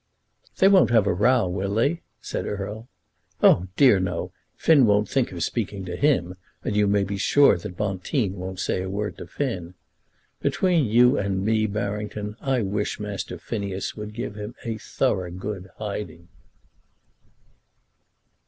"They won't have a row, will they?" said Erle. "Oh, dear, no; Finn won't think of speaking to him; and you may be sure that Bonteen won't say a word to Finn. Between you and me, Barrington, I wish Master Phineas would give him a thorough good hiding."